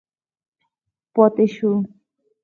پاتې شو.